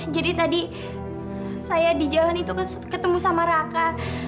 jadi tadi saya di jalan itu ketemu sama raka